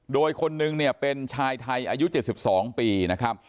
โดยคนนึงเนี่ยเป็นชายไทยอายุ๗๒ปีนะครับ